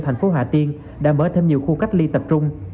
thành phố hà tiên đã mở thêm nhiều khu cách ly tập trung